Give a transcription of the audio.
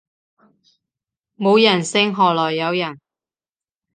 冇人性何來有人